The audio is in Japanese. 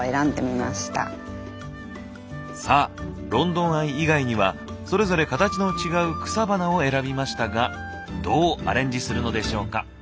さぁロンドンアイ以外にはそれぞれカタチの違う草花を選びましたがどうアレンジするのでしょうか？